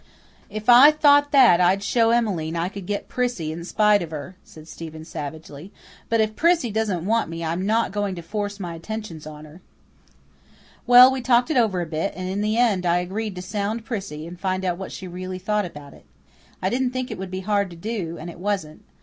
"If I thought that I'd show Emmeline I could get Prissy in spite of her," said Stephen savagely. "But if Prissy doesn't want me I'm not going to force my attentions on her." Well, we talked it over a bit, and in the end I agreed to sound Prissy, and find out what she really thought about it. I didn't think it would be hard to do; and it wasn't.